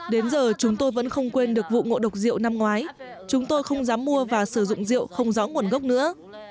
đến giờ chúng tôi vẫn không quên được vụ ngộ độc rượu năm ngoái chúng tôi không dám mua và sử dụng rượu không rõ nguồn gốc nữa